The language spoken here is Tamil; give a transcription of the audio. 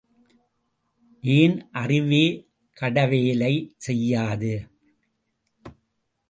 ஏன் அறிவேகட வேலை செய்யாது.